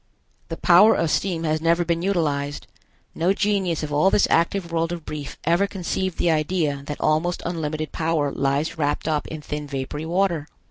The power of steam has never been utilized. No genius of all this active world of Brief ever conceived the idea that almost unlimited power lies wrapped up in thin vapory water.